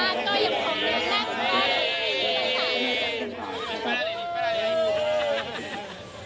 ก็ยังคงเล่นแน่นเวลาอยู่ที่นี่ในสถานการณ์